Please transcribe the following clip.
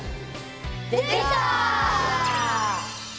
できた！